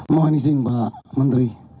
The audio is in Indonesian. mohon ising pak menteri